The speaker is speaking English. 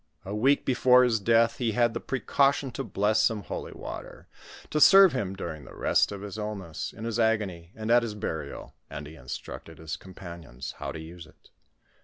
A week before his death, he had the precaution to bless some holy water, to serve him during the rest of 'jis illness, in his agony, and at his burial, and he instructed his compan ions how to use it.